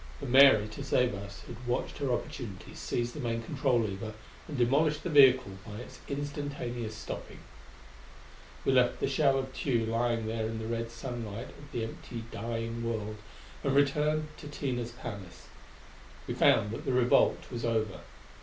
But Mary, to save us, had watched her opportunity, seized the main control lever and demolished the vehicle by its instantaneous stopping. We left the shell of Tugh lying there in the red sunlight of the empty, dying world, and returned to Tina's palace. We found that the revolt was over.